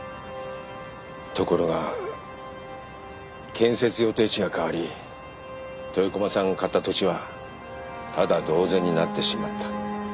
ところが建設予定地がかわり豊駒さんが買った土地はタダ同然になってしまった。